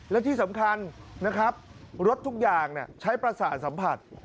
และที่สำคัญนะครับรถทุกอย่างใช้ประสาทสัมผัส